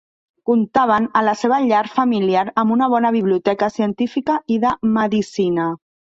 Comptaven a la seva llar familiar amb una bona biblioteca científica i de medicina.